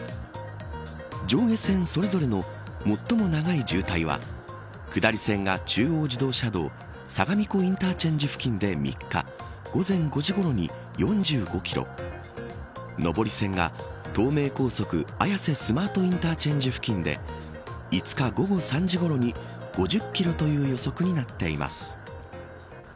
上下線それぞれの最も長い渋滞は下り線が中央自動車道相模湖インターチェンジ付近で３日午前５時ごろに４５キロ上り線が東名高速綾瀬スマートインターチェンジ付近で５日午後３時ごろに５０キロという予測になっています。